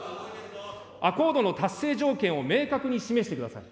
アコードの達成条件を明確に示してください。